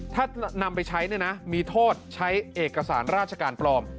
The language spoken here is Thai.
ถ้านำไปใช้เนี่ยนะมีโทษใช้เอกสารราชการปลอม